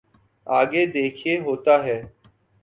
آگے دیکھیے ہوتا ہے۔